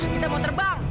kita mau terbang